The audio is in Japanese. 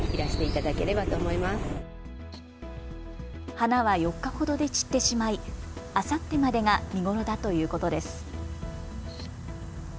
花は４日ほどで散ってしまいあさってまでが見頃だということです。